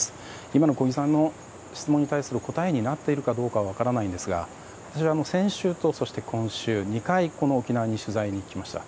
今の小木さんの質問に対する答えになっているかは分からないんですが私は先週と今週２回この沖縄に取材に来ました。